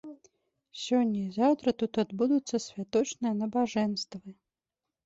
Сёння і заўтра тут адбудуцца святочныя набажэнствы.